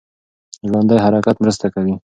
ژوندی حرکت مرسته کوي.